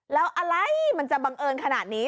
แล้วอะไรมันจะบังเอิญขนาดนี้